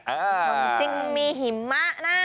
เมืองจิงมีหิมะนะ